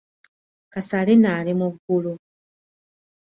Kasalina ali mu ggulu.